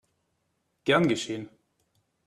Gern geschehen!